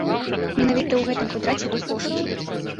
Менавіта ў гэтым квадраце ідуць пошукі.